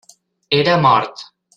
Era mort.